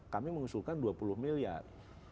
kami mengusulkan dua puluh miliar